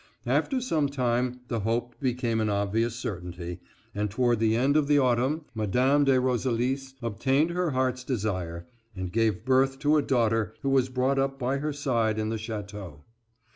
After some time the hope became an obvious certainty, and toward the end of the autumn Mme. de Roselis obtained her heart's desire, and gave birth to a daughter who was brought up by her side in the chateau.